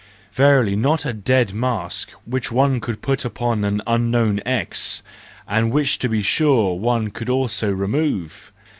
Verily not a dead mask which one could put upon an unknown X, and which to be sure one could also remove!